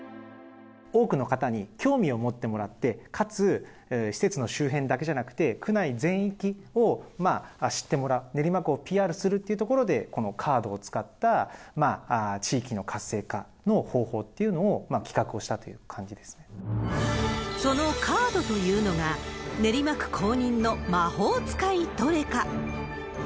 多くの方に興味を持ってもらって、かつ施設の周辺だけじゃなくて、区内全域を知ってもらう、練馬区をＰＲするってところで、このカードを使った地域の活性化の方法っていうのを企画をしたとそのカードというのが、練馬区公認の魔法使いトレカ。